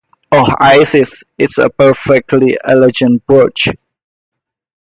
Oh, Isis, it’s a perfectly elegant brooch.